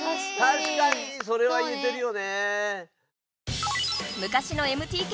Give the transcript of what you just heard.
たしかにそれは言えてるよね。